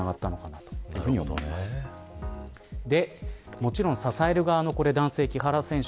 もちろん支える側の男性木原選手